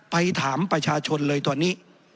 ไปถามประชาชนเลยตอนนี้